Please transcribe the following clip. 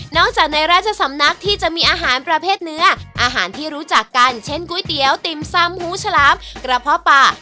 จากในราชสำนักที่จะมีอาหารประเภทเนื้ออาหารที่รู้จักกันเช่นก๋วยเตี๋ยวติ่มซำหูฉลามกระเพาะปลา